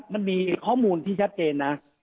มันมีข้อมูลที่ชัดเจนนะ